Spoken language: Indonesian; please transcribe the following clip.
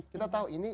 kita tahu ini